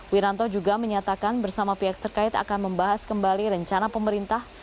wiranto juga menyatakan bersama pihak terkait akan membahas kembali rencana pemerintah